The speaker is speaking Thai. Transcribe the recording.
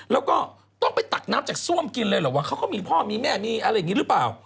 แล้วก็ต้องไปตักน้ำจากซ่วมกินเลยเหรอวะเขาก็มีพ่อมีแม่มีอะไรอย่างนี้หรือเปล่า